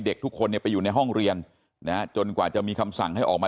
เด็กทุกคนเนี่ยไปอยู่ในห้องเรียนนะฮะจนกว่าจะมีคำสั่งให้ออกมา